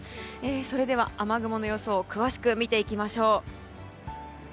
それでは、雨雲の予想を詳しく見ていきましょう。